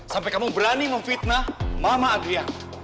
sampai kamu berani memfitnah mama adrian